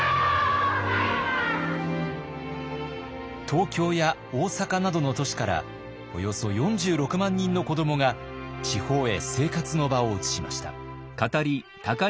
東京や大阪などの都市からおよそ４６万人の子どもが地方へ生活の場を移しました。